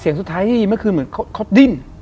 เสียงสุดท้ายเมื่อคืนเหมือนเขาดิ้น